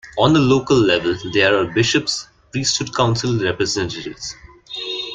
On a local level there are Bishops, Priesthood Council representatives.